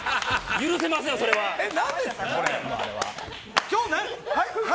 許せませんよ、これは。